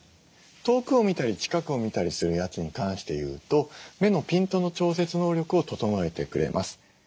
遠くを見たり近くを見たりするやつに関して言うと目のピントの調節能力を整えてくれます。